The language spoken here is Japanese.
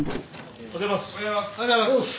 おはようございます。